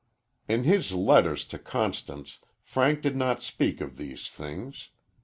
In his letters to Constance, Frank did not speak of these things.